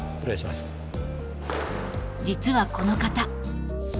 実はこの方。